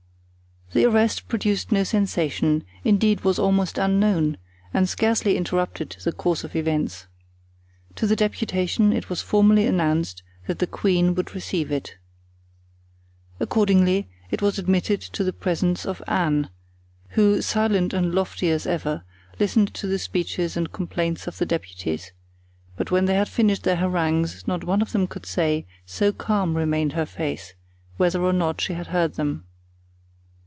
The arrest produced no sensation, indeed was almost unknown, and scarcely interrupted the course of events. To the deputation it was formally announced that the queen would receive it. Accordingly, it was admitted to the presence of Anne, who, silent and lofty as ever, listened to the speeches and complaints of the deputies; but when they had finished their harangues not one of them could say, so calm remained her face, whether or no she had heard them.